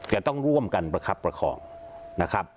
จะต้องร่วมกันประคับประคองนะครับ